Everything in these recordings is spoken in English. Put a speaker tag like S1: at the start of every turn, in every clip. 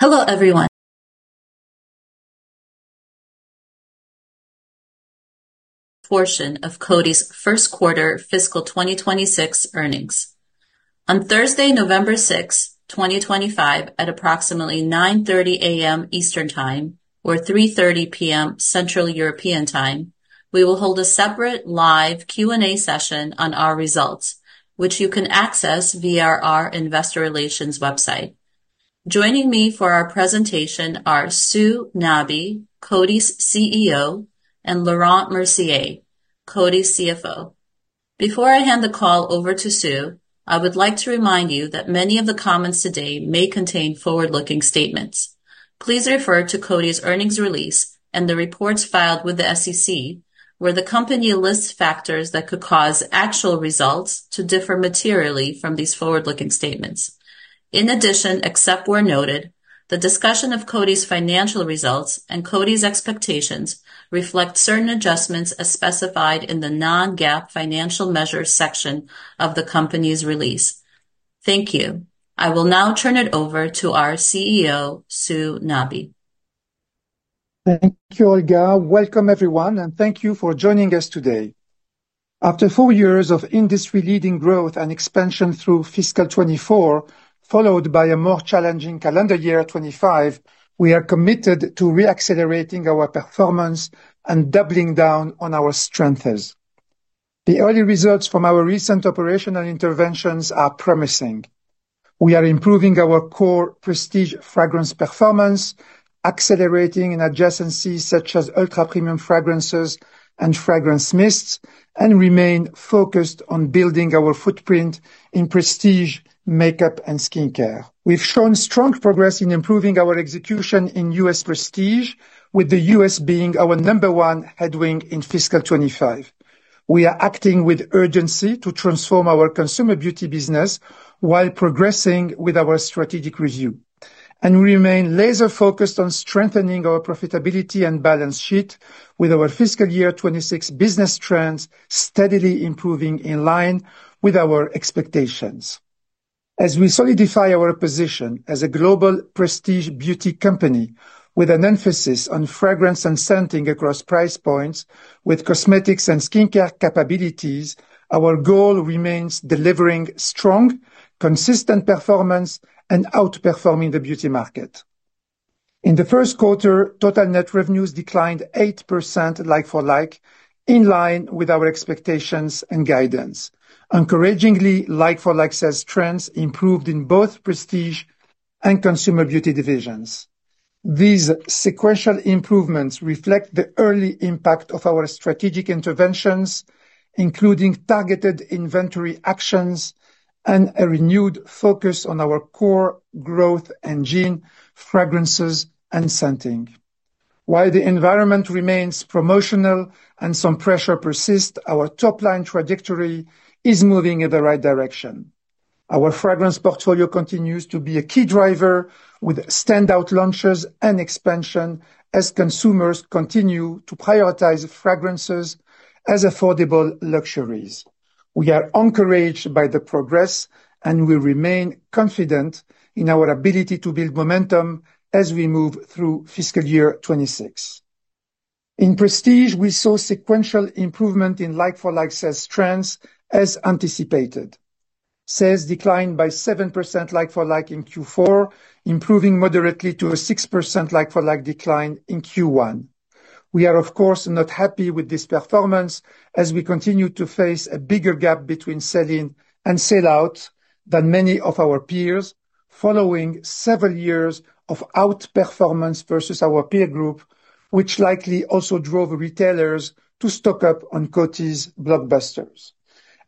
S1: Hello everyone. Portion of Coty's first quarter fiscal 2026 earnings. On Thursday, November 6, 2025, at approximately 9:30 A.M. Eastern Time, or 3:30 P.M. Central European Time, we will hold a separate live Q&A session on our results, which you can access via our Investor Relations website. Joining me for our presentation are Sue Nabi, Coty's CEO, and Laurent Mercier, Coty's CFO. Before I hand the call over to Sue, I would like to remind you that many of the comments today may contain forward-looking statements. Please refer to Coty's earnings release and the reports filed with the SEC, where the company lists factors that could cause actual results to differ materially from these forward-looking statements. In addition, except where noted, the discussion of Coty's financial results and Coty's expectations reflect certain adjustments as specified in the non-GAAP financial measures section of the company's release. Thank you.I will now turn it over to our CEO, Sue Nabi.
S2: Thank you, Olga. Welcome everyone, and thank you for joining us today. After four years of industry-leading growth and expansion through fiscal 2024, followed by a more challenging calendar year 2025, we are committed to re-accelerating our performance and doubling down on our strengths. The early results from our recent operational interventions are promising. We are improving our core prestige fragrance performance, accelerating in adjacencies such as ultra-premium fragrances and fragrance mists, and remain focused on building our footprint in prestige makeup and skincare. We've shown strong progress in improving our execution in U.S. prestige, with the U.S. being our number one headwind in fiscal 2025. We are acting with urgency to transform our consumer beauty business while progressing with our strategic review, and we remain laser-focused on strengthening our profitability and balance sheet with our fiscal year 2026 business trends steadily improving in line with our expectations. As we solidify our position as a global prestige beauty company with an emphasis on fragrance and scenting across price points, with cosmetics and skincare capabilities, our goal remains delivering strong, consistent performance and outperforming the beauty market. In the first quarter, total net revenues declined 8% like-for-like, in line with our expectations and guidance. Encouragingly, like-for-like sales trends improved in both prestige and consumer beauty divisions. These sequential improvements reflect the early impact of our strategic interventions, including targeted inventory actions and a renewed focus on our core growth engine, fragrances and scenting. While the environment remains promotional and some pressure persists, our top-line trajectory is moving in the right direction. Our fragrance portfolio continues to be a key driver, with standout launches and expansion as consumers continue to prioritize fragrances as affordable luxuries. We are encouraged by the progress, and we remain confident in our ability to build momentum as we move through fiscal year 2026. In prestige, we saw sequential improvement in like-for-like sales trends as anticipated. Sales declined by 7% like-for-like in Q4, improving moderately to a 6% like-for-like decline in Q1. We are, of course, not happy with this performance as we continue to face a bigger gap between sell-in and sell-out than many of our peers, following several years of outperformance versus our peer group, which likely also drove retailers to stock up on Coty's blockbusters.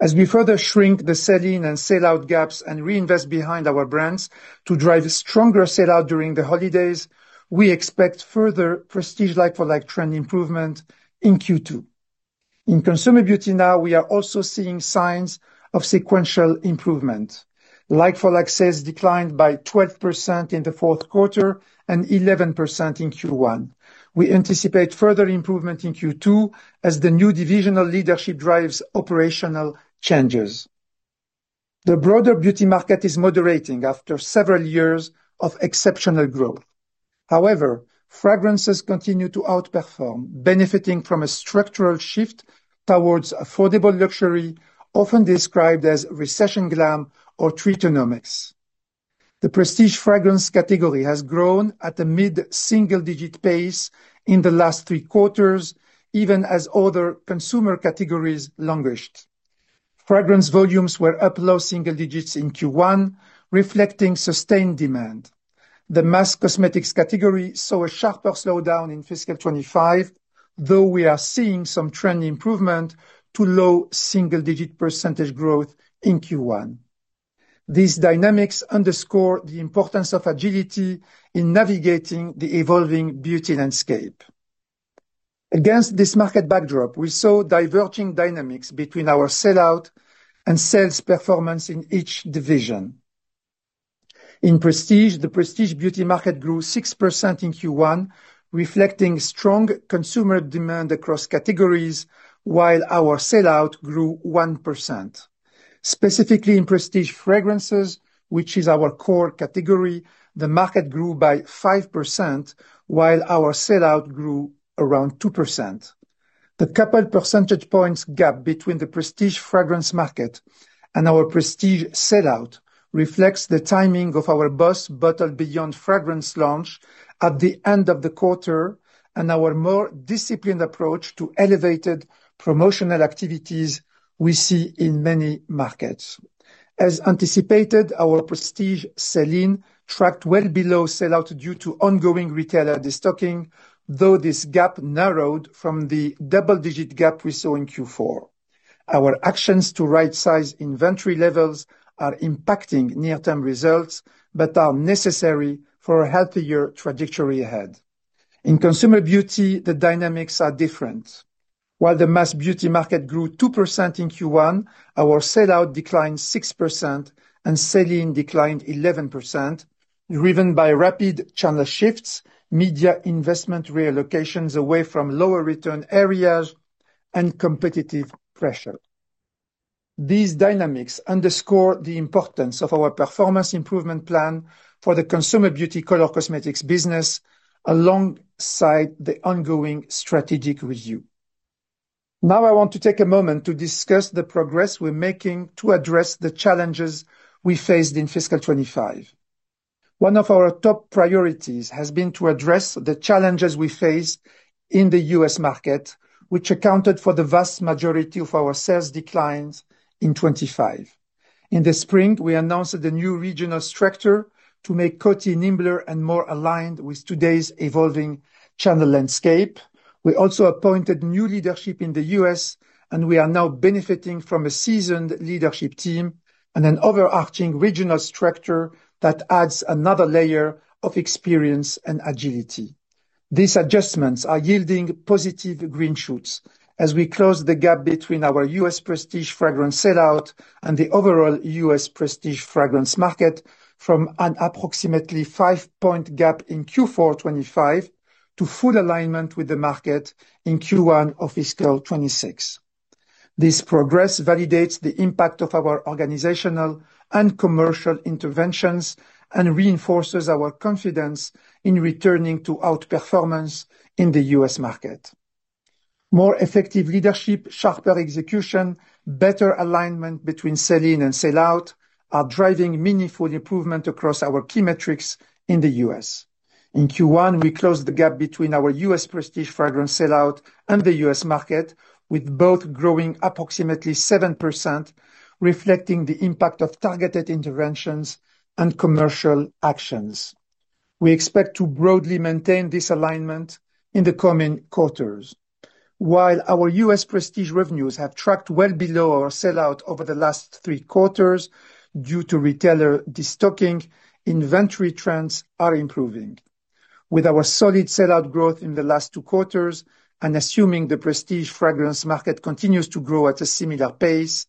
S2: As we further shrink the sell-in and sell-out gaps and reinvest behind our brands to drive stronger sell-out during the holidays, we expect further prestige like-for-like trend improvement in Q2. In consumer beauty now, we are also seeing signs of sequential improvement. Like-for-like sales declined by 12% in the fourth quarter and 11% in Q1. We anticipate further improvement in Q2 as the new divisional leadership drives operational changes. The broader beauty market is moderating after several years of exceptional growth. However, fragrances continue to outperform, benefiting from a structural shift towards affordable luxury, often described as recession glam or treatonomics. The prestige fragrance category has grown at a mid-single-digit pace in the last three quarters, even as other consumer categories languished. Fragrance volumes were up low single digits in Q1, reflecting sustained demand. The mask cosmetics category saw a sharper slowdown in fiscal 2025, though we are seeing some trend improvement to low single-digit percentage growth in Q1. These dynamics underscore the importance of agility in navigating the evolving beauty landscape. Against this market backdrop, we saw diverging dynamics between our sell-out and sales performance in each division. In prestige, the prestige beauty market grew 6% in Q1, reflecting strong consumer demand across categories, while our sell-out grew 1%. Specifically in prestige fragrances, which is our core category, the market grew by 5%, while our sell-out grew around 2%. The coupled percentage points gap between the prestige fragrance market and our prestige sell-out reflects the timing of our Boss Bottle Beyond fragrance launch at the end of the quarter and our more disciplined approach to elevated promotional activities we see in many markets. As anticipated, our prestige sell-in tracked well below sell-out due to ongoing retailer destocking, though this gap narrowed from the double-digit gap we saw in Q4. Our actions to right-size inventory levels are impacting near-term results but are necessary for a healthier trajectory ahead. In consumer beauty, the dynamics are different. While the mass beauty market grew 2% in Q1, our sell-out declined 6% and sell-in declined 11%, driven by rapid channel shifts, media investment reallocations away from lower return areas, and competitive pressure. These dynamics underscore the importance of our performance improvement plan for the consumer beauty color cosmetics business, alongside the ongoing strategic review. Now I want to take a moment to discuss the progress we're making to address the challenges we faced in fiscal 2025. One of our top priorities has been to address the challenges we face in the U.S. market, which accounted for the vast majority of our sales declines in 2025. In the spring, we announced the new regional structure to make Coty nimbler and more aligned with today's evolving channel landscape. We also appointed new leadership in the U.S., and we are now benefiting from a seasoned leadership team and an overarching regional structure that adds another layer of experience and agility. These adjustments are yielding positive green shoots as we close the gap between our U.S. prestige fragrance sell-out and the overall U.S. prestige fragrance market from an approximately five-point gap in Q4 2025 to full alignment with the market in Q1 of fiscal 2026. This progress validates the impact of our organizational and commercial interventions and reinforces our confidence in returning to outperformance in the U.S. market. More effective leadership, sharper execution, and better alignment between sell-in and sell-out are driving meaningful improvement across our key metrics in the U.S. In Q1, we closed the gap between our U.S. prestige fragrance sell-out and the U.S. market, with both growing approximately 7%. Reflecting the impact of targeted interventions and commercial actions. We expect to broadly maintain this alignment in the coming quarters. While our U.S. prestige revenues have tracked well below our sell-out over the last three quarters due to retailer destocking, inventory trends are improving. With our solid sell-out growth in the last two quarters and assuming the prestige fragrance market continues to grow at a similar pace,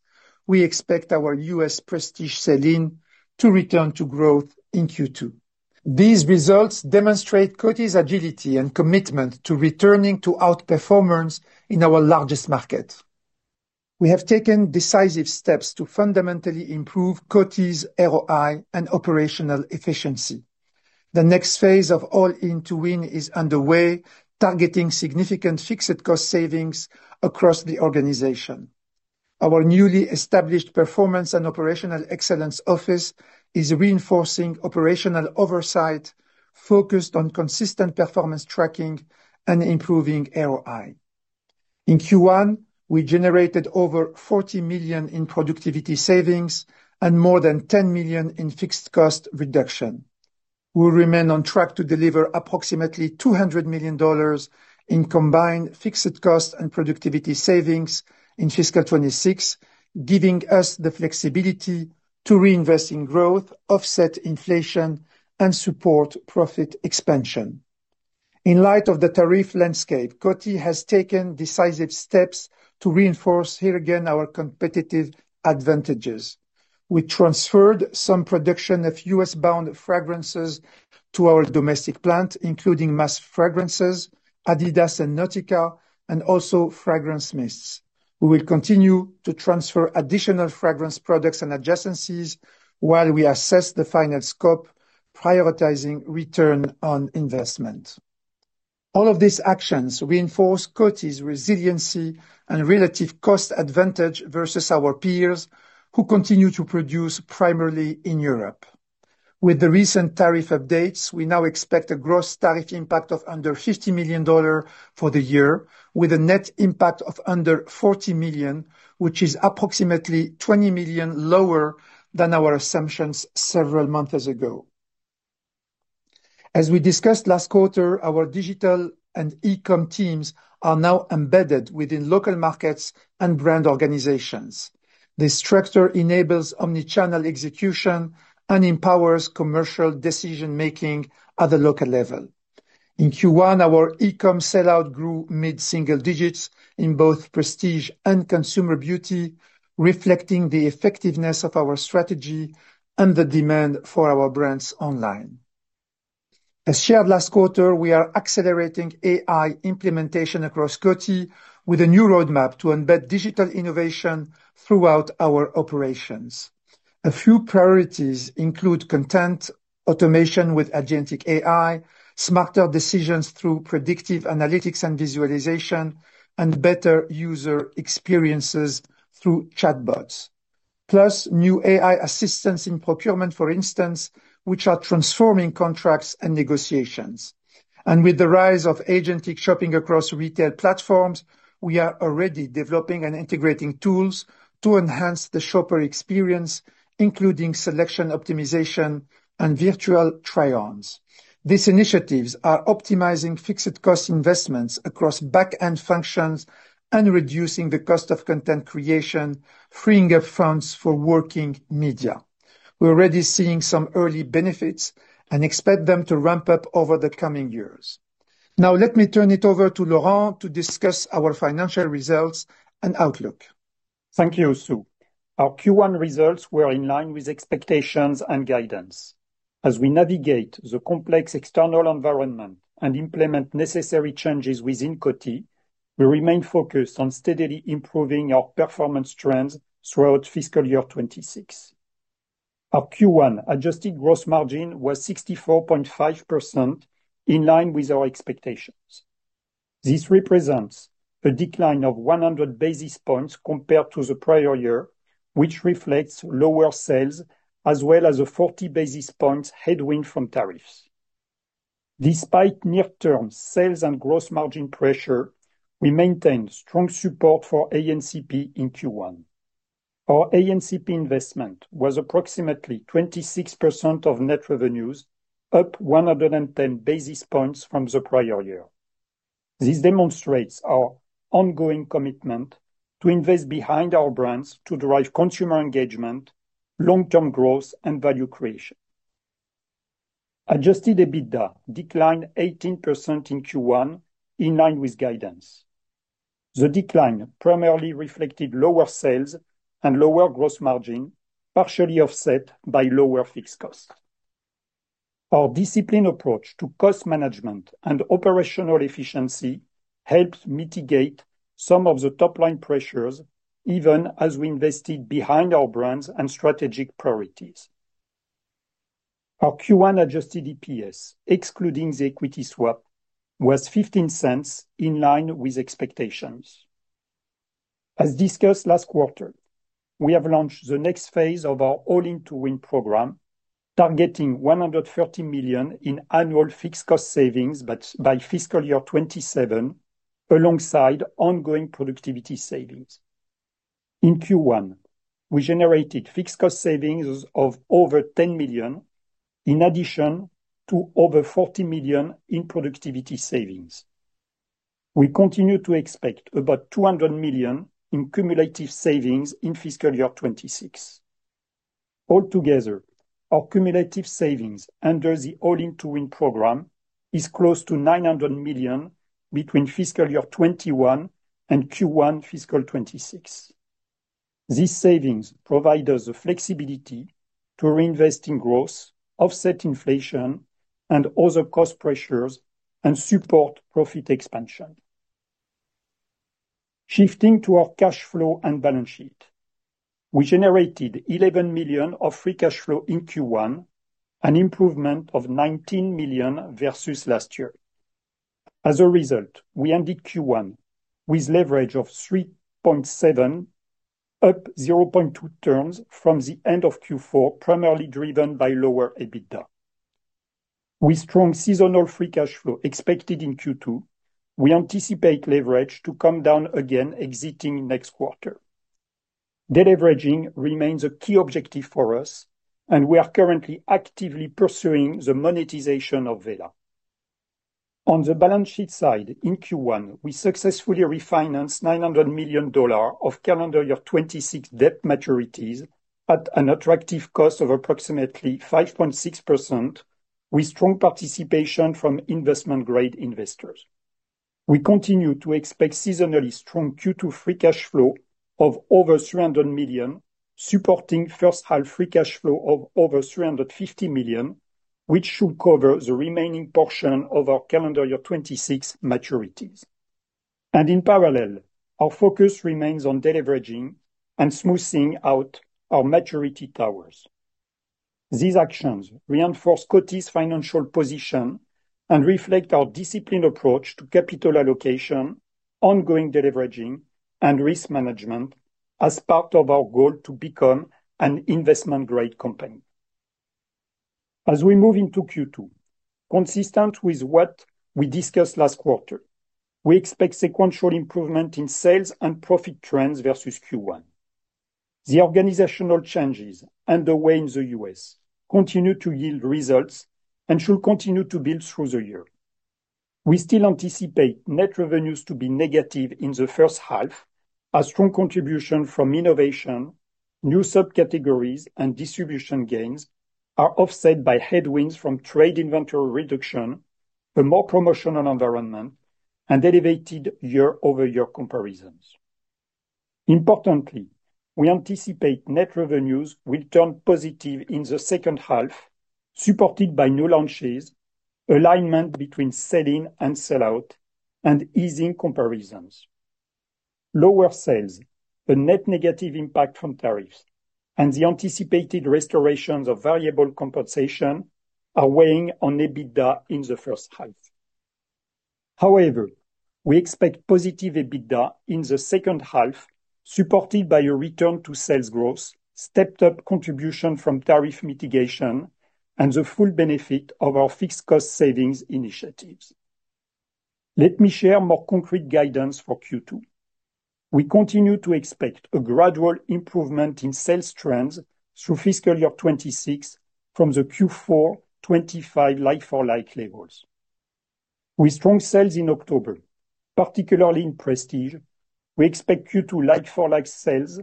S2: we expect our U.S. prestige sell-in to return to growth in Q2. These results demonstrate Coty's agility and commitment to returning to outperformance in our largest market. We have taken decisive steps to fundamentally improve Coty's ROI and operational efficiency. The next phase of All-in to Win is underway, targeting significant fixed cost savings across the organization. Our newly established performance and operational excellence office is reinforcing operational oversight focused on consistent performance tracking and improving ROI. In Q1, we generated over $40 million in productivity savings and more than $10 million in fixed cost reduction. We remain on track to deliver approximately $200 million in combined fixed cost and productivity savings in fiscal 2026, giving us the flexibility to reinvest in growth, offset inflation, and support profit expansion. In light of the tariff landscape, Coty has taken decisive steps to reinforce here again our competitive advantages. We transferred some production of U.S.-bound fragrances to our domestic plant, including mass fragrances, Adidas and Nautica, and also fragrance mists. We will continue to transfer additional fragrance products and adjacencies while we assess the final scope, prioritizing return on investment. All of these actions reinforce Coty's resiliency and relative cost advantage versus our peers who continue to produce primarily in Europe. With the recent tariff updates, we now expect a gross tariff impact of under $50 million for the year, with a net impact of under $40 million, which is approximately $20 million lower than our assumptions several months ago. As we discussed last quarter, our digital and e-com teams are now embedded within local markets and brand organizations. This structure enables omnichannel execution and empowers commercial decision-making at the local level. In Q1, our e-com sell-out grew mid-single digits in both prestige and consumer beauty, reflecting the effectiveness of our strategy and the demand for our brands online. As shared last quarter, we are accelerating AI implementation across Coty with a new roadmap to embed digital innovation throughout our operations. A few priorities include content automation with agentic AI, smarter decisions through predictive analytics and visualization, and better user experiences through chatbots. Plus, new AI assistants in procurement, for instance, which are transforming contracts and negotiations. With the rise of agentic shopping across retail platforms, we are already developing and integrating tools to enhance the shopper experience, including selection optimization and virtual try-ons. These initiatives are optimizing fixed cost investments across back-end functions and reducing the cost of content creation, freeing up funds for working media. We're already seeing some early benefits and expect them to ramp up over the coming years. Now, let me turn it over to Laurent to discuss our financial results and outlook.
S3: Thank you, Sue. Our Q1 results were in line with expectations and guidance. As we navigate the complex external environment and implement necessary changes within Coty, we remain focused on steadily improving our performance trends throughout fiscal year 2026. Our Q1 adjusted gross margin was 64.5%, in line with our expectations. This represents a decline of 100 basis points compared to the prior year, which reflects lower sales as well as a 40 basis points headwind from tariffs. Despite near-term sales and gross margin pressure, we maintained strong support for ANCP in Q1. Our ANCP investment was approximately 26% of net revenues, up 110 basis points from the prior year. This demonstrates our ongoing commitment to invest behind our brands to drive consumer engagement, long-term growth, and value creation. Adjusted EBITDA declined 18% in Q1, in line with guidance. The decline primarily reflected lower sales and lower gross margin, partially offset by lower fixed costs. Our disciplined approach to cost management and operational efficiency helped mitigate some of the top-line pressures, even as we invested behind our brands and strategic priorities. Our Q1 adjusted EPS, excluding the equity swap, was $0.15, in line with expectations. As discussed last quarter, we have launched the next phase of our All-in to Win program, targeting $113 million in annual fixed cost savings by fiscal year 2027, alongside ongoing productivity savings. In Q1, we generated fixed cost savings of over $10 million, in addition to over $40 million in productivity savings. We continue to expect about $200 million in cumulative savings in fiscal year 2026. Altogether, our cumulative savings under the All-in to Win program is close to $900 million between fiscal year 2021 and Q1 fiscal 2026. These savings provide us the flexibility to reinvest in growth, offset inflation, and other cost pressures, and support profit expansion. Shifting to our cash flow and balance sheet, we generated $11 million of free cash flow in Q1, an improvement of $19 million versus last year. As a result, we ended Q1 with leverage of 3.7. Up 0.2 turns from the end of Q4, primarily driven by lower EBITDA. With strong seasonal free cash flow expected in Q2, we anticipate leverage to come down again, exiting next quarter. Deleveraging remains a key objective for us, and we are currently actively pursuing the monetization of VEGA. On the balance sheet side, in Q1, we successfully refinanced $900 million of calendar year 2026 debt maturities at an attractive cost of approximately 5.6%, with strong participation from investment-grade investors. We continue to expect seasonally strong Q2 free cash flow of over $300 million, supporting first-half free cash flow of over $350 million, which should cover the remaining portion of our calendar year 2026 maturities. In parallel, our focus remains on deleveraging and smoothing out our maturity towers. These actions reinforce Coty's financial position and reflect our disciplined approach to capital allocation, ongoing deleveraging, and risk management as part of our goal to become an investment-grade company. As we move into Q2, consistent with what we discussed last quarter, we expect sequential improvement in sales and profit trends versus Q1. The organizational changes underway in the U.S. continue to yield results and should continue to build through the year. We still anticipate net revenues to be negative in the first half, as strong contributions from innovation, new subcategories, and distribution gains are offset by headwinds from trade inventory reduction, a more promotional environment, and elevated year-over-year comparisons. Importantly, we anticipate net revenues will turn positive in the second half, supported by new launches, alignment between sell-in and sell-out, and easing comparisons. Lower sales, a net negative impact from tariffs, and the anticipated restorations of variable compensation are weighing on EBITDA in the first half. However, we expect positive EBITDA in the second half, supported by a return to sales growth, stepped-up contribution from tariff mitigation, and the full benefit of our fixed cost savings initiatives. Let me share more concrete guidance for Q2. We continue to expect a gradual improvement in sales trends through fiscal year 2026 from the Q4 2025 like-for-like levels. With strong sales in October, particularly in prestige, we expect Q2 like-for-like sales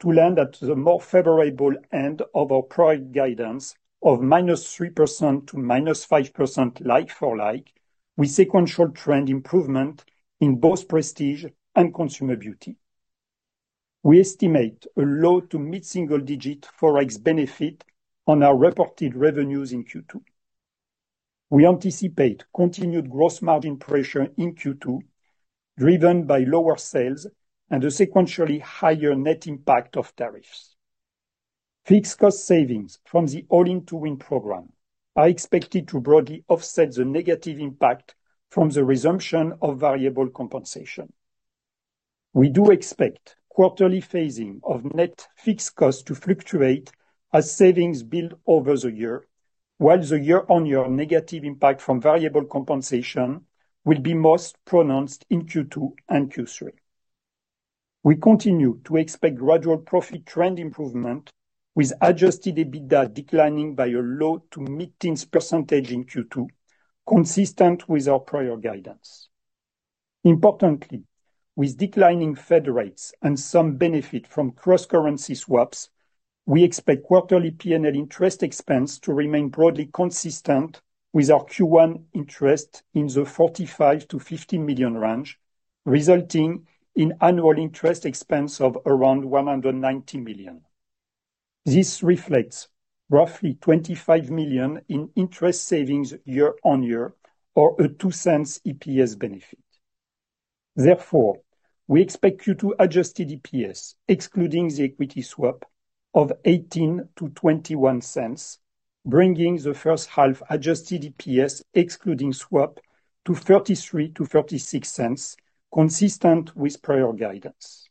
S3: to land at the more favorable end of our prior guidance of -3% to -5% like-for-like with sequential trend improvement in both prestige and consumer beauty. We estimate a low to mid-single digit forex benefit on our reported revenues in Q2. We anticipate continued gross margin pressure in Q2, driven by lower sales and a sequentially higher net impact of tariffs. Fixed cost savings from the All-in to Win program are expected to broadly offset the negative impact from the resumption of variable compensation. We do expect quarterly phasing of net fixed costs to fluctuate as savings build over the year, while the year-on-year negative impact from variable compensation will be most pronounced in Q2 and Q3. We continue to expect gradual profit trend improvement, with adjusted EBITDA declining by a low to mid-teens % in Q2, consistent with our prior guidance. Importantly, with declining Fed rates and some benefit from cross-currency swaps, we expect quarterly P&L interest expense to remain broadly consistent with our Q1 interest in the $45 million-$50 million range, resulting in annual interest expense of around $190 million. This reflects roughly $25 million in interest savings year-on-year, or a $0.02 EPS benefit. Therefore, we expect Q2 adjusted EPS, excluding the equity swap, of $0.18-$0.21, bringing the first-half adjusted EPS, excluding swap, to $0.33-$0.36, consistent with prior guidance.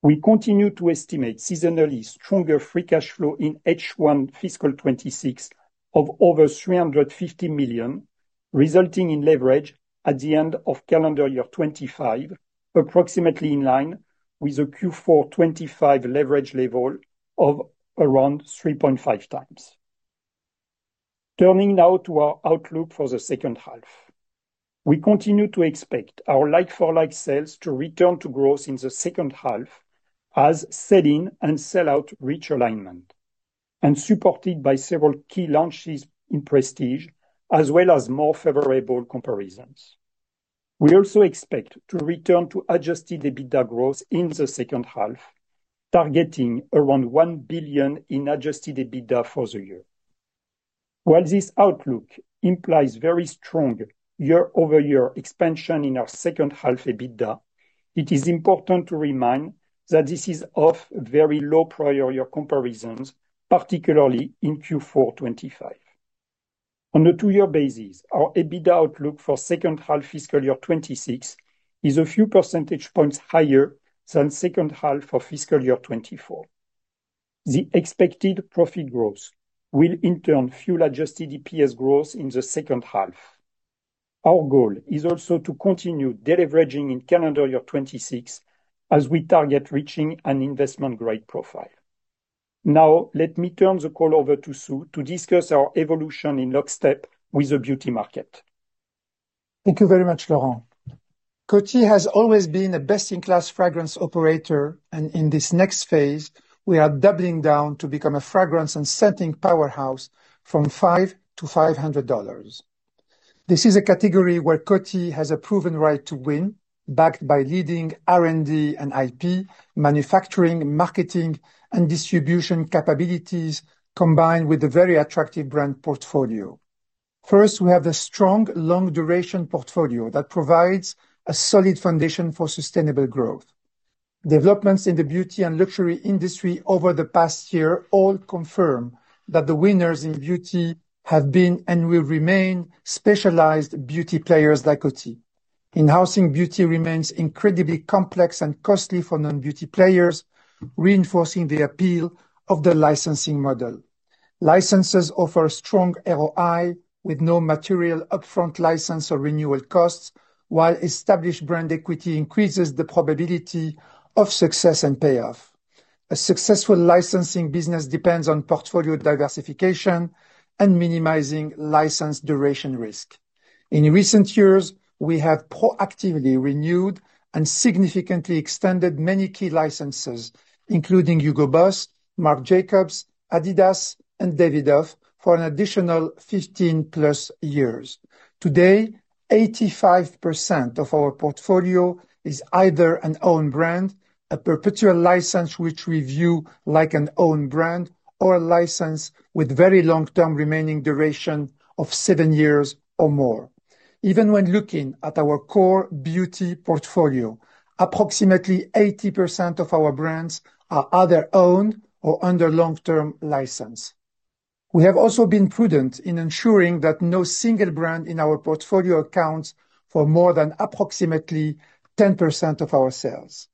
S3: We continue to estimate seasonally stronger free cash flow in H1 fiscal 2026 of over $350 million, resulting in leverage at the end of calendar year 2025, approximately in line with the Q4 2025 leverage level of around 3.5x. Turning now to our outlook for the second half. We continue to expect our like-for-like sales to return to growth in the second half as sell-in and sell-out reach alignment, and supported by several key launches in prestige, as well as more favorable comparisons. We also expect to return to adjusted EBITDA growth in the second half, targeting around $1 billion in adjusted EBITDA for the year. While this outlook implies very strong year-over-year expansion in our second-half EBITDA, it is important to remind that this is off very low prior year comparisons, particularly in Q4 2025. On a two-year basis, our EBITDA outlook for second-half fiscal year 2026 is a few percentage points higher than second-half for fiscal year 2024. The expected profit growth will, in turn, fuel adjusted EPS growth in the second half. Our goal is also to continue deleveraging in calendar year 2026 as we target reaching an investment-grade profile. Now, let me turn the call over to Sue to discuss our evolution in lockstep with the beauty market.
S2: Thank you very much, Laurent. Coty has always been a best-in-class fragrance operator, and in this next phase, we are doubling down to become a fragrance and scenting powerhouse from $5 to $500. This is a category where Coty has a proven right to win, backed by leading R&D and IP manufacturing, marketing, and distribution capabilities, combined with a very attractive brand portfolio. First, we have the strong long-duration portfolio that provides a solid foundation for sustainable growth. Developments in the beauty and luxury industry over the past year all confirm that the winners in beauty have been and will remain specialized beauty players like Coty. In-housing beauty remains incredibly complex and costly for non-beauty players, reinforcing the appeal of the licensing model. Licenses offer strong ROI with no material upfront license or renewal costs, while established brand equity increases the probability of success and payoff. A successful licensing business depends on portfolio diversification and minimizing license duration risk. In recent years, we have proactively renewed and significantly extended many key licenses, including Hugo Boss, Marc Jacobs, Adidas, and Davidoff, for an additional 15-plus years. Today, 85% of our portfolio is either an own brand, a perpetual license which we view like an own brand, or a license with very long-term remaining duration of seven years or more. Even when looking at our core beauty portfolio, approximately 80% of our brands are either owned or under long-term license. We have also been prudent in ensuring that no single brand in our portfolio accounts for more than approximately 10% of our sales.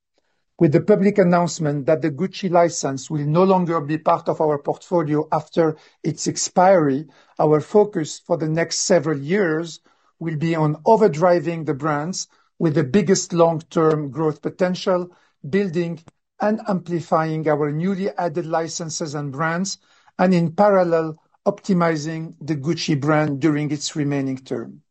S2: With the public announcement that the Gucci license will no longer be part of our portfolio after its expiry, our focus for the next several years will be on overdriving the brands with the biggest long-term growth potential, building and amplifying our newly added licenses and brands, and in parallel, optimizing the Gucci brand during its remaining term.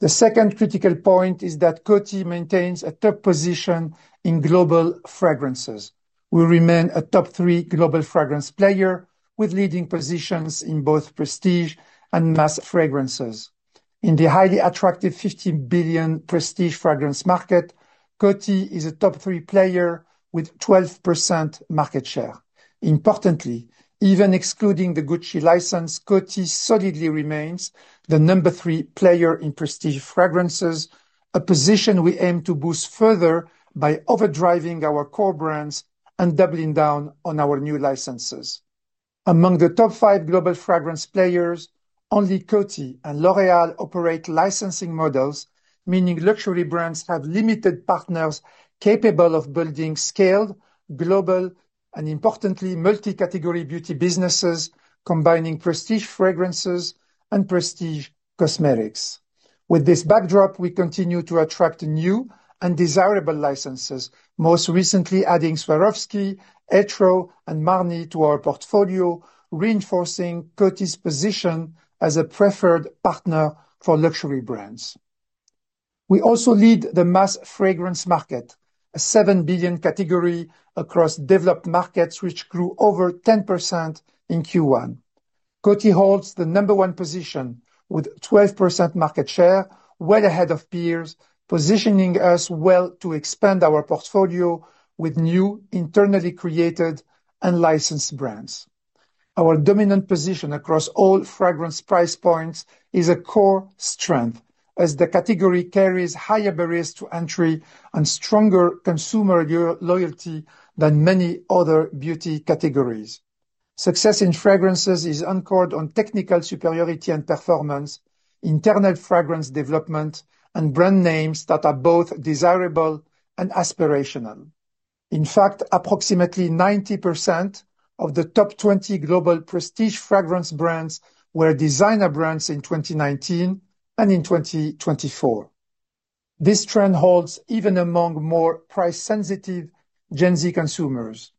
S2: The second critical point is that Coty maintains a top position in global fragrances. We remain a top three global fragrance player with leading positions in both prestige and mass fragrances. In the highly attractive $15 billion prestige fragrance market, Coty is a top three player with 12% market share. Importantly, even excluding the Gucci license, Coty solidly remains the number three player in prestige fragrances, a position we aim to boost further by overdriving our core brands and doubling down on our new licenses. Among the top five global fragrance players, only Coty and L'Oréal operate licensing models, meaning luxury brands have limited partners capable of building scaled global and, importantly, multi-category beauty businesses combining prestige fragrances and prestige cosmetics. With this backdrop, we continue to attract new and desirable licenses, most recently adding Swarovski, Etro, and Marni to our portfolio, reinforcing Coty's position as a preferred partner for luxury brands. We also lead the mass fragrance market, a $7 billion category across developed markets, which grew over 10% in Q1. Coty holds the number one position with 12% market share, well ahead of peers, positioning us well to expand our portfolio with new, internally created, and licensed brands. Our dominant position across all fragrance price points is a core strength, as the category carries higher barriers to entry and stronger consumer loyalty than many other beauty categories. Success in fragrances is anchored on technical superiority and performance, internal fragrance development, and brand names that are both desirable and aspirational. In fact, approximately 90% of the top 20 global prestige fragrance brands were designer brands in 2019 and in 2024. This trend holds even among more price-sensitive Gen Z consumers.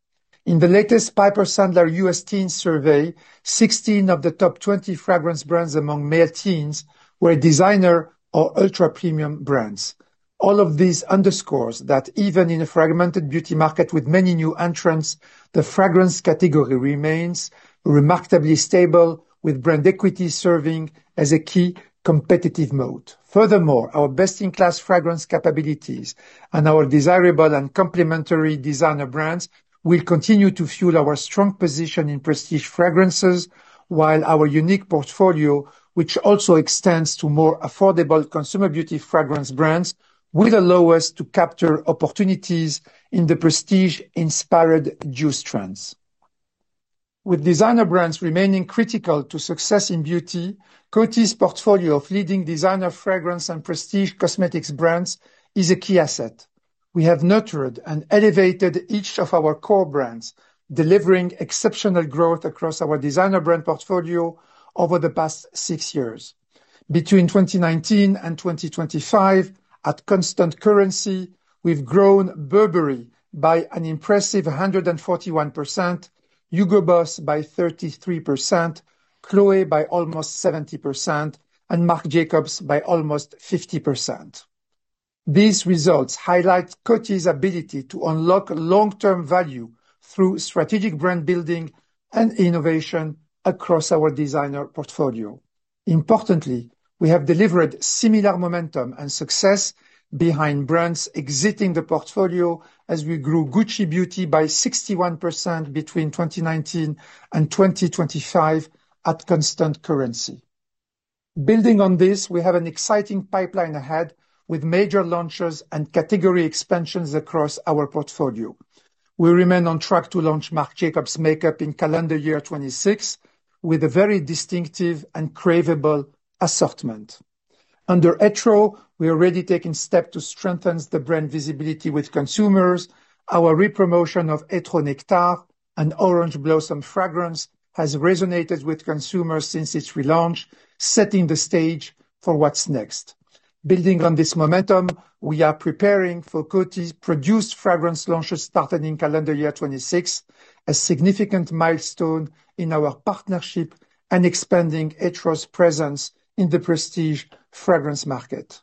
S2: In the latest Piper Sandler U.S. Teens survey, 16 of the top 20 fragrance brands among male teens were designer or ultra-premium brands. All of this underscores that even in a fragmented beauty market with many new entrants, the fragrance category remains remarkably stable, with brand equity serving as a key competitive moat. Furthermore, our best-in-class fragrance capabilities and our desirable and complementary designer brands will continue to fuel our strong position in prestige fragrances, while our unique portfolio, which also extends to more affordable consumer beauty fragrance brands, will allow us to capture opportunities in the prestige-inspired juice trends. With designer brands remaining critical to success in beauty, Coty's portfolio of leading designer fragrance and prestige cosmetics brands is a key asset. We have nurtured and elevated each of our core brands, delivering exceptional growth across our designer brand portfolio over the past six years. Between 2019 and 2025, at constant currency, we've grown Burberry by an impressive 141%, Hugo Boss by 33%, Chloé by almost 70%, and Marc Jacobs by almost 50%. These results highlight Coty's ability to unlock long-term value through strategic brand building and innovation across our designer portfolio. Importantly, we have delivered similar momentum and success behind brands exiting the portfolio as we grew Gucci beauty by 61% between 2019 and 2025 at constant currency. Building on this, we have an exciting pipeline ahead with major launches and category expansions across our portfolio. We remain on track to launch Marc Jacobs makeup in calendar year 2026 with a very distinctive and craveable assortment. Under Etro, we are already taking steps to strengthen the brand visibility with consumers. Our re-promotion of Etro Nectar and Orange Blossom Fragrance has resonated with consumers since its relaunch, setting the stage for what's next. Building on this momentum, we are preparing for Coty's produced fragrance launches starting in calendar year 2026, a significant milestone in our partnership and expanding Etro's presence in the prestige fragrance market.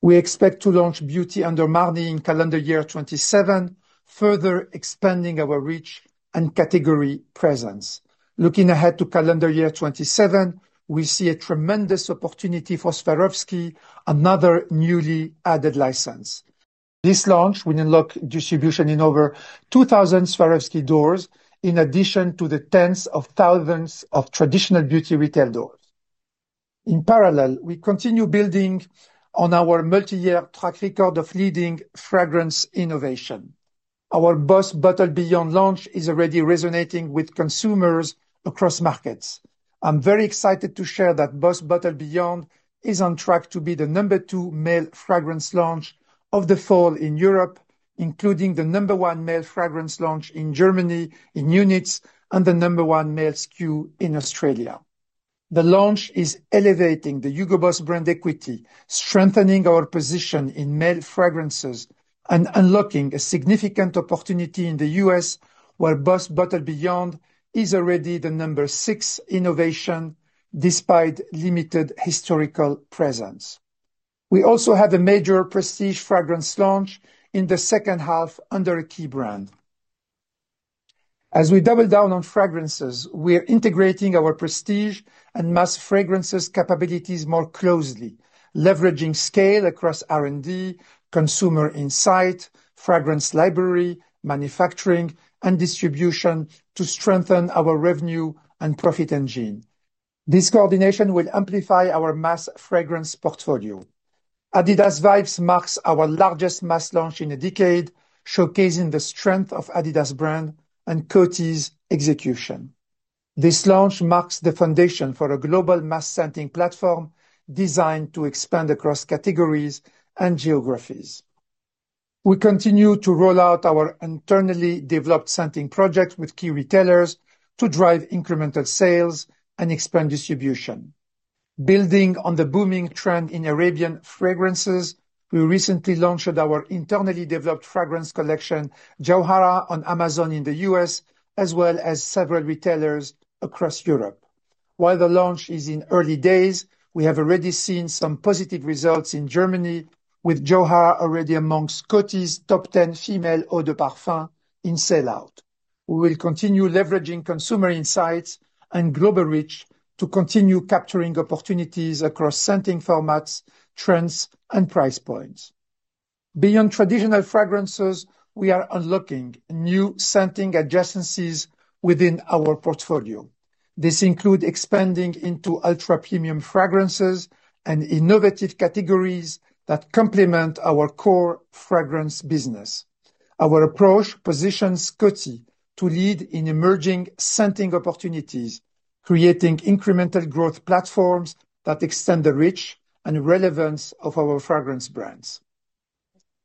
S2: We expect to launch Beauty under Marni in calendar year 2027, further expanding our reach and category presence. Looking ahead to calendar year 2027, we see a tremendous opportunity for Swarovski, another newly added license. This launch will unlock distribution in over 2,000 Swarovski doors, in addition to the tens of thousands of traditional beauty retail doors. In parallel, we continue building on our multi-year track record of leading fragrance innovation. Our Boss Bottle Beyond launch is already resonating with consumers across markets. I'm very excited to share that Boss Bottle Beyond is on track to be the number two male fragrance launch of the fall in Europe, including the number one male fragrance launch in Germany in units and the number one male SKU in Australia. The launch is elevating the Hugo Boss brand equity, strengthening our position in male fragrances, and unlocking a significant opportunity in the U.S., where Boss Bottle Beyond is already the number six innovation despite limited historical presence. We also have a major prestige fragrance launch in the second half under a key brand. As we double down on fragrances, we are integrating our prestige and mass fragrances capabilities more closely, leveraging scale across R&D, consumer insight, fragrance library, manufacturing, and distribution to strengthen our revenue and profit engine. This coordination will amplify our mass fragrance portfolio. Adidas Vibes marks our largest mass launch in a decade, showcasing the strength of Adidas brand and Coty's execution. This launch marks the foundation for a global mass scenting platform designed to expand across categories and geographies. We continue to roll out our internally developed scenting projects with key retailers to drive incremental sales and expand distribution. Building on the booming trend in Arabian fragrances, we recently launched our internally developed fragrance collection, Jawhara, on Amazon in the U.S., as well as several retailers across Europe. While the launch is in early days, we have already seen some positive results in Germany, with Jawhara already amongst Coty's top 10 female eau de parfum in sell-out. We will continue leveraging consumer insights and global reach to continue capturing opportunities across scenting formats, trends, and price points. Beyond traditional fragrances, we are unlocking new scenting adjacencies within our portfolio. This includes expanding into ultra-premium fragrances and innovative categories that complement our core fragrance business. Our approach positions Coty to lead in emerging scenting opportunities, creating incremental growth platforms that extend the reach and relevance of our fragrance brands.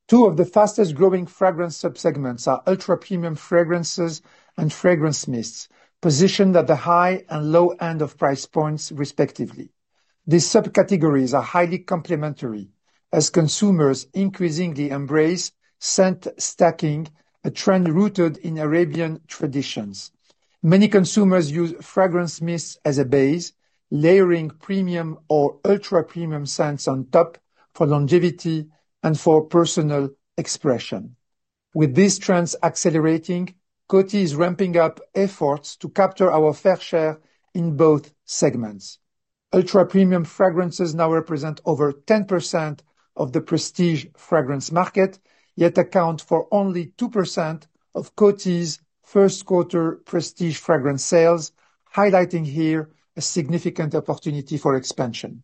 S2: Two of the fastest-growing fragrance subsegments are ultra-premium fragrances and fragrance mists, positioned at the high and low end of price points, respectively. These subcategories are highly complementary as consumers increasingly embrace scent stacking, a trend rooted in Arabian traditions. Many consumers use fragrance mists as a base, layering premium or ultra-premium scents on top for longevity and for personal expression. With these trends accelerating, Coty is ramping up efforts to capture our fair share in both segments. Ultra-premium fragrances now represent over 10% of the prestige fragrance market, yet account for only 2% of Coty's first-quarter prestige fragrance sales, highlighting here a significant opportunity for expansion.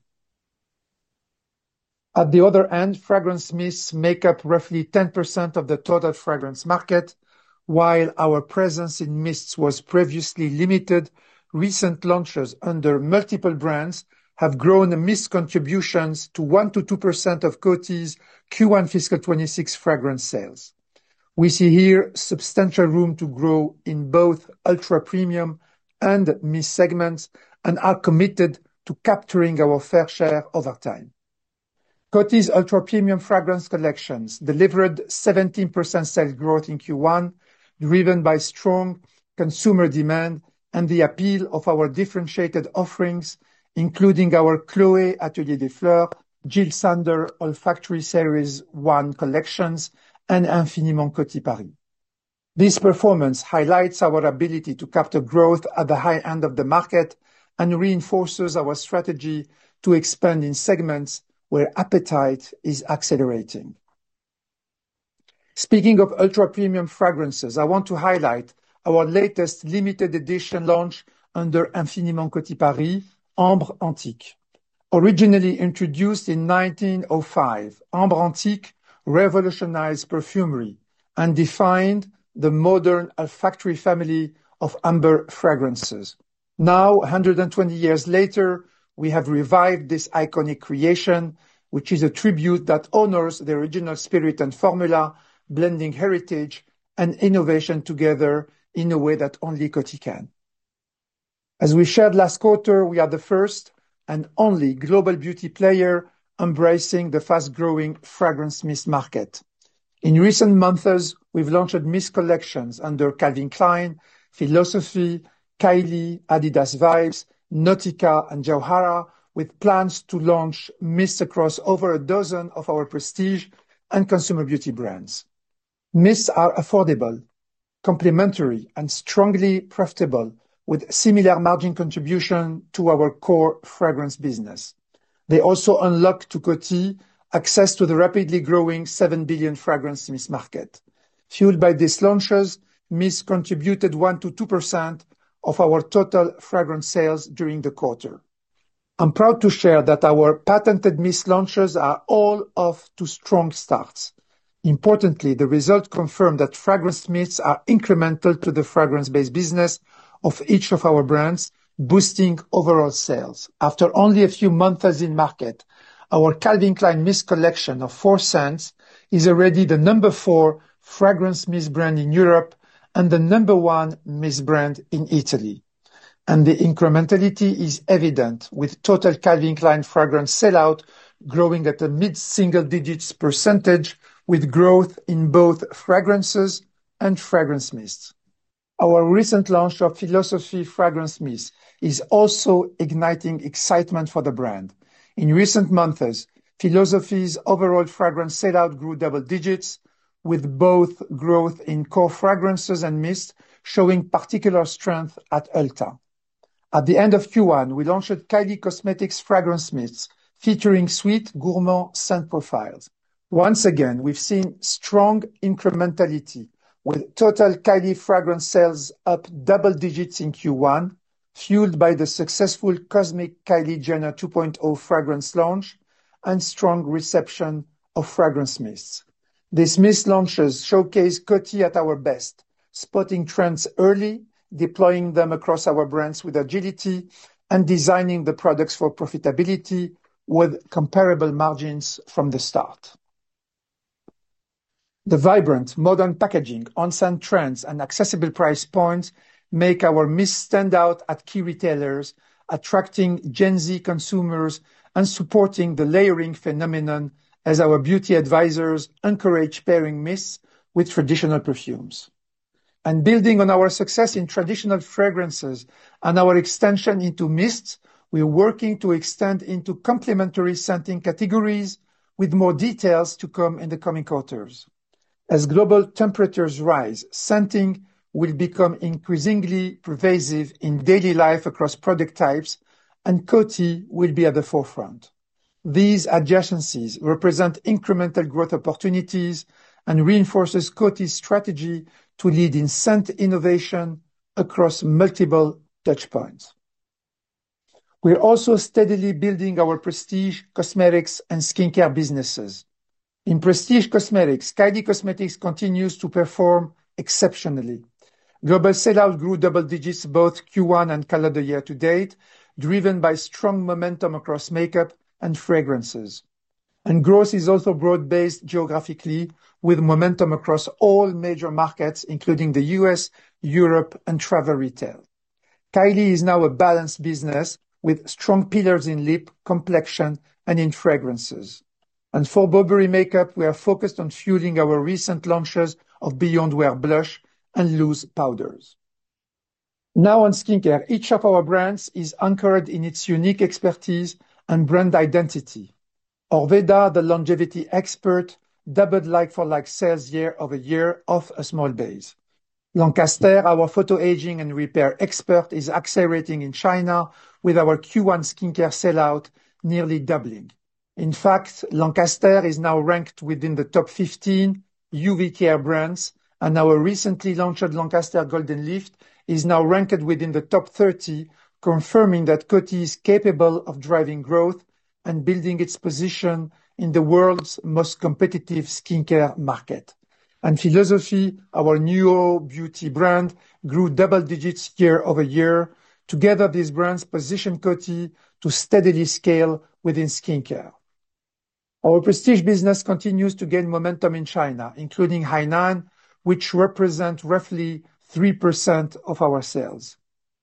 S2: At the other end, fragrance mists make up roughly 10% of the total fragrance market. While our presence in mists was previously limited, recent launches under multiple brands have grown the mist contributions to 1%-2% of Coty's Q1 fiscal 2026 fragrance sales. We see here substantial room to grow in both ultra-premium and mist segments and are committed to capturing our fair share over time. Coty's ultra-premium fragrance collections delivered 17% sales growth in Q1, driven by strong consumer demand and the appeal of our differentiated offerings, including our Chloé Atelier des Fleurs, Jil Sander Olfactive Series 1 collections, and Infiniment Coty Paris. This performance highlights our ability to capture growth at the high end of the market and reinforces our strategy to expand in segments where appetite is accelerating. Speaking of ultra-premium fragrances, I want to highlight our latest limited edition launch under Infiniment Coty Paris, Ambre Antique. Originally introduced in 1905, Ambre Antique revolutionized perfumery and defined the modern olfactory family of amber fragrances. Now, 120 years later, we have revived this iconic creation, which is a tribute that honors the original spirit and formula, blending heritage and innovation together in a way that only Coty can. As we shared last quarter, we are the first and only global beauty player embracing the fast-growing fragrance mist market. In recent months, we've launched mist collections under Calvin Klein, Philosophy, Kylie, Adidas Vibes, Nautica, and Jawhara, with plans to launch mists across over a dozen of our prestige and consumer beauty brands. Mists are affordable, complementary, and strongly profitable, with similar margin contribution to our core fragrance business. They also unlock to Coty access to the rapidly growing $7 billion fragrance mist market. Fueled by these launches, mists contributed 1%-2% of our total fragrance sales during the quarter. I'm proud to share that our patented mist launches are all off to strong starts. Importantly, the results confirm that fragrance mists are incremental to the fragrance-based business of each of our brands, boosting overall sales. After only a few months in market, our Calvin Klein mist collection of four scents is already the number four fragrance mist brand in Europe and the number one mist brand in Italy. The incrementality is evident, with total Calvin Klein fragrance sellout growing at a mid-single digits percentage, with growth in both fragrances and fragrance mists. Our recent launch of Philosophy fragrance mist is also igniting excitement for the brand. In recent months, Philosophy's overall fragrance sellout grew double digits, with both growth in core fragrances and mists, showing particular strength at ultra. At the end of Q1, we launched Kylie Cosmetics fragrance mists, featuring sweet, gourmand scent profiles. Once again, we've seen strong incrementality, with total Kylie fragrance sales up double digits in Q1, fueled by the successful Cosmic Kylie Jenner 2.0 fragrance launch and strong reception of fragrance mists. These mist launches showcase Coty at our best, spotting trends early, deploying them across our brands with agility, and designing the products for profitability with comparable margins from the start. The vibrant, modern packaging, on-scent trends, and accessible price points make our mists stand out at key retailers, attracting Gen Z consumers and supporting the layering phenomenon as our beauty advisors encourage pairing mists with traditional perfumes. Building on our success in traditional fragrances and our extension into mists, we are working to extend into complementary scenting categories, with more details to come in the coming quarters. As global temperatures rise, scenting will become increasingly pervasive in daily life across product types, and Coty will be at the forefront. These adjacencies represent incremental growth opportunities and reinforce Coty's strategy to lead in scent innovation across multiple touchpoints. We are also steadily building our prestige cosmetics and skincare businesses. In prestige cosmetics, Kylie Cosmetics continues to perform exceptionally. Global sellout grew double digits both Q1 and calendar year to date, driven by strong momentum across makeup and fragrances. Growth is also broad-based geographically, with momentum across all major markets, including the U.S., Europe, and travel retail. Kylie is now a balanced business with strong pillars in lip, complexion, and in fragrances. For Burberry makeup, we are focused on fueling our recent launches of Beyond Wear Blush and Loose Powders. Now on skincare, each of our brands is anchored in its unique expertise and brand identity. Orveda, the longevity expert, doubled like-for-like sales year-over-year off a small base. Lancaster, our photo aging and repair expert, is accelerating in China with our Q1 skincare sellout nearly doubling. In fact, Lancaster is now ranked within the top 15 UV care brands, and our recently launched Lancaster Golden Lift is now ranked within the top 30, confirming that Coty is capable of driving growth and building its position in the world's most competitive skincare market. Philosophy, our new beauty brand, grew double digits year-over-year. Together, these brands position Coty to steadily scale within skincare. Our prestige business continues to gain momentum in China, including Hainan, which represents roughly 3% of our sales.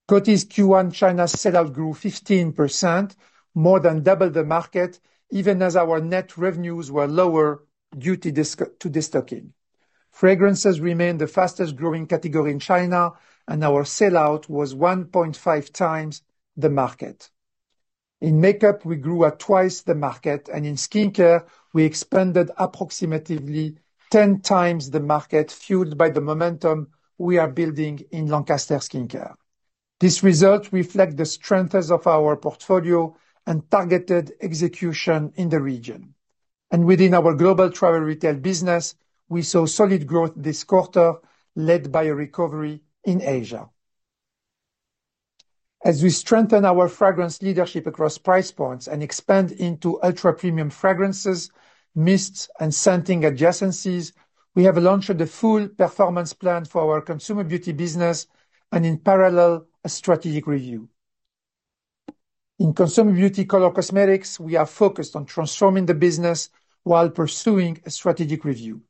S2: Coty's Q1 China sellout grew 15%, more than double the market, even as our net revenues were lower due to destocking. Fragrances remain the fastest-growing category in China, and our sellout was 1.5x the market. In makeup, we grew at twice the market, and in skincare, we expanded approximately 10x the market, fueled by the momentum we are building in Lancaster skincare. These results reflect the strengths of our portfolio and targeted execution in the region. Within our global travel retail business, we saw solid growth this quarter, led by a recovery in Asia. As we strengthen our fragrance leadership across price points and expand into ultra-premium fragrances, mists, and scenting adjacencies, we have launched a full performance plan for our consumer beauty business and, in parallel, a strategic review. In consumer beauty color cosmetics, we are focused on transforming the business while pursuing a strategic review.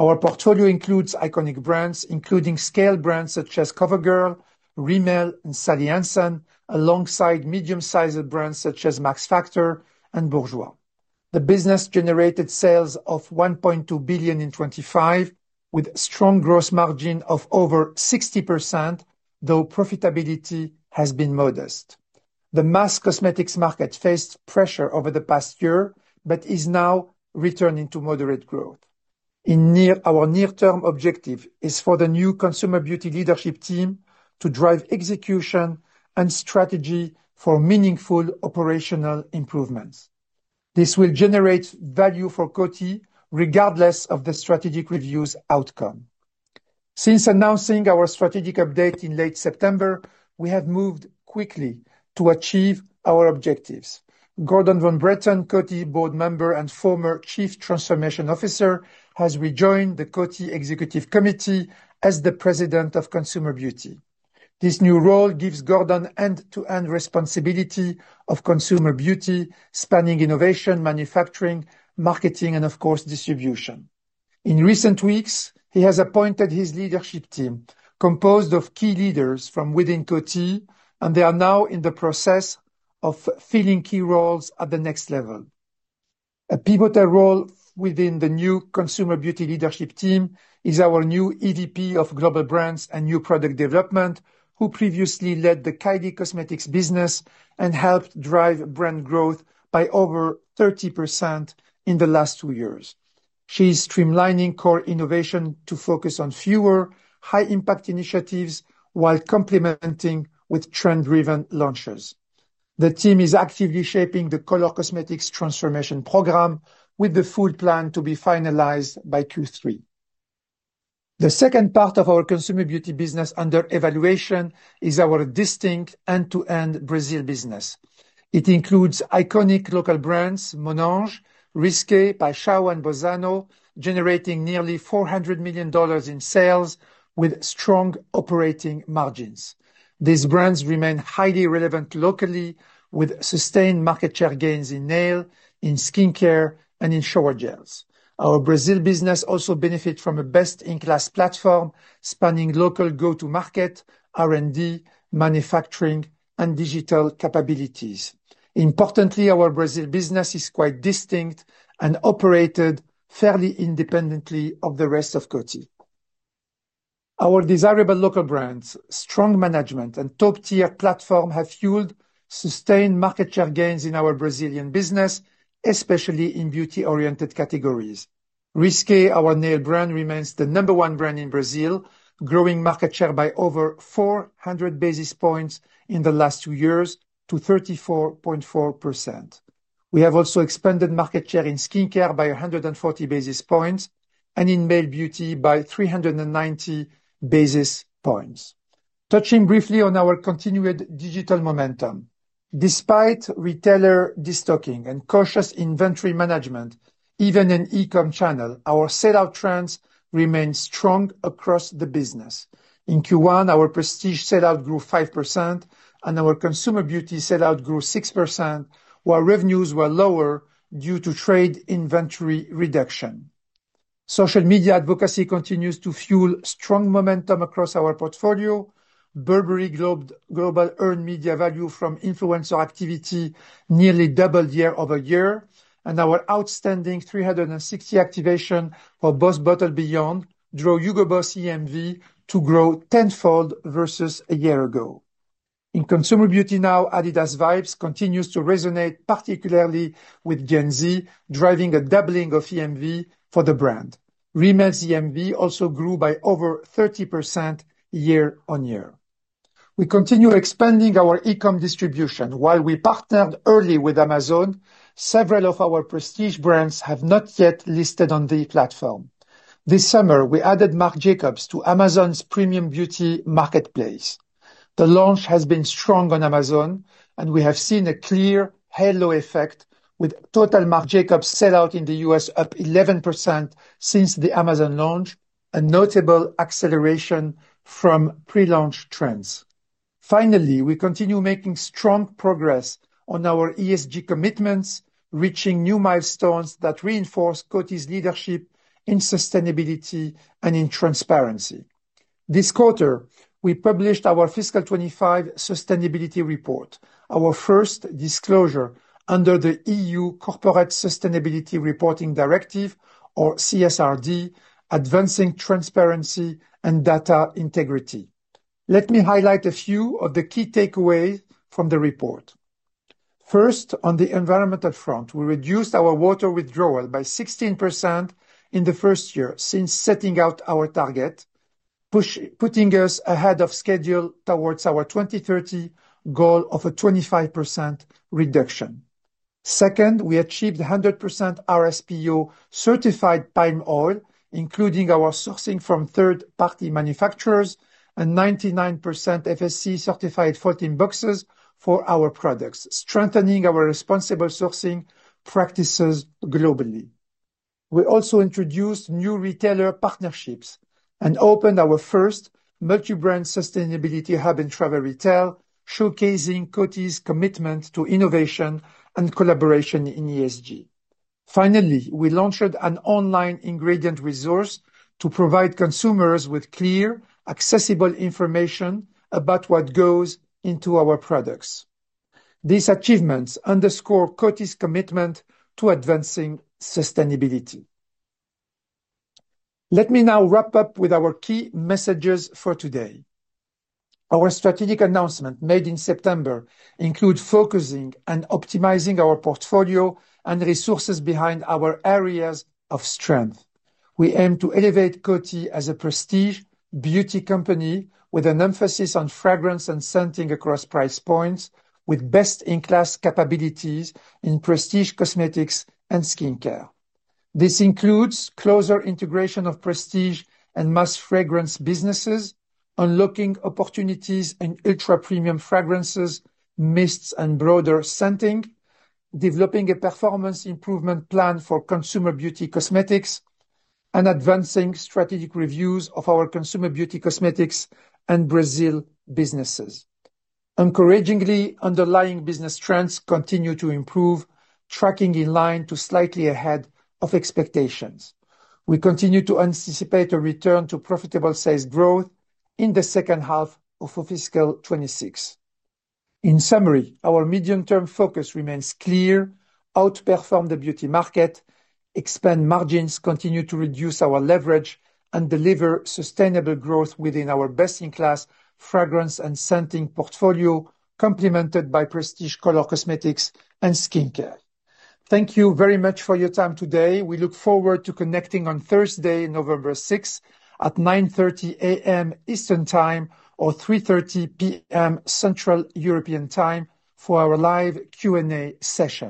S2: Our portfolio includes iconic brands, including scale brands such as CoverGirl, Rimmel, and Sally Hansen, alongside medium-sized brands such as Max Factor and Bourjois. The business generated sales of $1.2 billion in 2025, with strong gross margin of over 60%, though profitability has been modest. The mass cosmetics market faced pressure over the past year but is now returning to moderate growth. Our near-term objective is for the new consumer beauty leadership team to drive execution and strategy for meaningful operational improvements. This will generate value for Coty regardless of the strategic review's outcome. Since announcing our strategic update in late September, we have moved quickly to achieve our objectives. Gordon von Bretten, Coty board member and former Chief Transformation Officer, has rejoined the Coty Executive Committee as the President of Consumer Beauty. This new role gives Gordon end-to-end responsibility of consumer beauty, spanning innovation, manufacturing, marketing, and, of course, distribution. In recent weeks, he has appointed his leadership team, composed of key leaders from within Coty, and they are now in the process of filling key roles at the next level. A pivotal role within the new consumer beauty leadership team is our new EVP of global brands and new product development, who previously led the Kylie Cosmetics business and helped drive brand growth by over 30% in the last two years. She is streamlining core innovation to focus on fewer high-impact initiatives while complementing with trend-driven launches. The team is actively shaping the color cosmetics transformation program, with the full plan to be finalized by Q3. The second part of our consumer beauty business under evaluation is our distinct end-to-end Brazil business. It includes iconic local brands, Monange, Risqué, Paixão and Bozzano, generating nearly $400 million in sales with strong operating margins. These brands remain highly relevant locally, with sustained market share gains in nail, in skincare, and in shower gels. Our Brazil business also benefits from a best-in-class platform, spanning local go-to-market, R&D, manufacturing, and digital capabilities. Importantly, our Brazil business is quite distinct and operated fairly independently of the rest of Coty. Our desirable local brands, strong management, and top-tier platform have fueled sustained market share gains in our Brazilian business, especially in beauty-oriented categories. Risqué, our nail brand, remains the number one brand in Brazil, growing market share by over 400 basis points in the last two years to 34.4%. We have also expanded market share in skincare by 140 basis points and in male beauty by 390 basis points. Touching briefly on our continued digital momentum, despite retailer destocking and cautious inventory management, even in e-com channel, our sellout trends remain strong across the business. In Q1, our prestige sellout grew 5%, and our consumer beauty sellout grew 6%, while revenues were lower due to trade inventory reduction. Social media advocacy continues to fuel strong momentum across our portfolio. Burberry global earned media value from influencer activity nearly doubled year-over-year, and our outstanding 360 activation for Boss Bottle Beyond drove Hugo Boss EMV to grow tenfold versus a year ago. In consumer beauty now, Adidas Vibes continues to resonate particularly with Gen Z, driving a doubling of EMV for the brand. Rimmel's EMV also grew by over 30% year on year. We continue expanding our e-com distribution. While we partnered early with Amazon, several of our prestige brands have not yet listed on the platform. This summer, we added Marc Jacobs to Amazon's premium beauty marketplace. The launch has been strong on Amazon, and we have seen a clear halo effect, with total Marc Jacobs sellout in the U.S. up 11% since the Amazon launch, a notable acceleration from pre-launch trends. Finally, we continue making strong progress on our ESG commitments, reaching new milestones that reinforce Coty's leadership in sustainability and in transparency. This quarter, we published our Fiscal 2025 Sustainability Report, our first disclosure under the EU Corporate Sustainability Reporting Directive, or CSRD, advancing transparency and data integrity. Let me highlight a few of the key takeaways from the report. First, on the environmental front, we reduced our water withdrawal by 16% in the first year since setting out our target, putting us ahead of schedule towards our 2030 goal of a 25% reduction. Second, we achieved 100% RSPO certified palm oil, including our sourcing from third-party manufacturers, and 99% FSC certified 14 boxes for our products, strengthening our responsible sourcing practices globally. We also introduced new retailer partnerships and opened our first multi-brand sustainability hub in travel retail, showcasing Coty's commitment to innovation and collaboration in ESG. Finally, we launched an online ingredient resource to provide consumers with clear, accessible information about what goes into our products. These achievements underscore Coty's commitment to advancing sustainability. Let me now wrap up with our key messages for today. Our strategic announcement made in September includes focusing and optimizing our portfolio and resources behind our areas of strength. We aim to elevate Coty as a prestige beauty company with an emphasis on fragrance and scenting across price points, with best-in-class capabilities in prestige cosmetics and skincare. This includes closer integration of prestige and mass fragrance businesses, unlocking opportunities in ultra-premium fragrances, mists, and broader scenting, developing a performance improvement plan for consumer beauty cosmetics, and advancing strategic reviews of our consumer beauty cosmetics and Brazil businesses. Encouragingly, underlying business trends continue to improve, tracking in line to slightly ahead of expectations. We continue to anticipate a return to profitable sales growth in the second half of fiscal 2026. In summary, our medium-term focus remains clear, outperform the beauty market, expand margins, continue to reduce our leverage, and deliver sustainable growth within our best-in-class fragrance and scenting portfolio, complemented by prestige color cosmetics and skincare. Thank you very much for your time today. We look forward to connecting on Thursday, November 6, at 9:30 A.M. Eastern Time or 3:30 P.M. Central European Time for our live Q&A session.